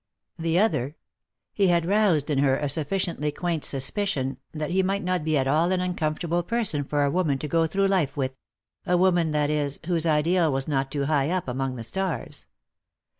The other ? He had roused in her a sufficiently quaint suspicion that he might not be at all an uncomfortable person for a woman to go through life with — a woman, that is, whose ideal was not too high up among the stars.